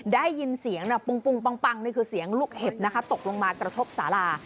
ได้ยินเสียงปุงปังนี่คือเสียงลูกเห็บนะคะตกลงมากระทบสารา